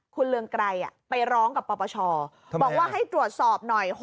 คุณเรืองไกรไปร้องกับปปชบอกว่าให้ตรวจสอบหน่อย